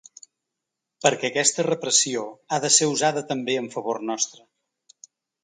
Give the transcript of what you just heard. Perquè aquesta repressió ha de ser usada també en favor nostre.